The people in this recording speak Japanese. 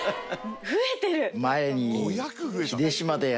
増えてる。